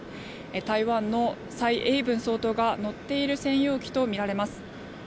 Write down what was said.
台湾の蔡英文総統が乗っている専用機とみられます。